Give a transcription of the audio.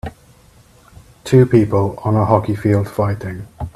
Two people on a hockey field fighting.